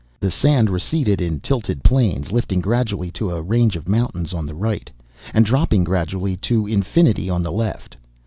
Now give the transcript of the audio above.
The sand receded in tilted planes lifting gradually to a range of mountains on the right, and dropping gradually to infinity on the left.